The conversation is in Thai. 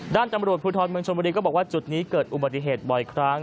ด้านตำรวจภูทรเมืองชนบุรีก็บอกว่าจุดนี้เกิดอุบัติเหตุบ่อยครั้ง